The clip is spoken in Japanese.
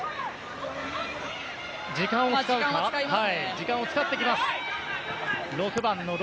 時間を使ってきます。